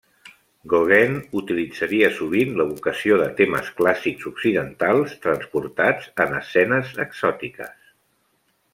Gauguin utilitzaria sovint l'evocació de temes clàssics occidentals transportats en escenes exòtiques.